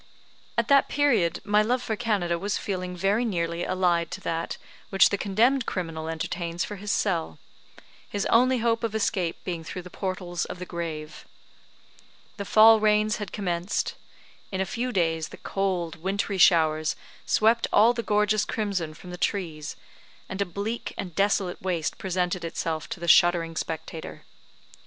At that period my love for Canada was a feeling very nearly allied to that which the condemned criminal entertains for his cell his only hope of escape being through the portals of the grave. The fall rains had commenced. In a few days the cold wintry showers swept all the gorgeous crimson from the trees; and a bleak and desolate waste presented itself to the shuddering spectator.